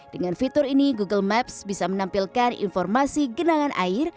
dengan fitur ini google maps bisa menampilkan informasi genangan air